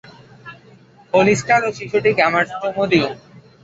হলিস্টার ও শিশুটিকে আমার চুমো দিও।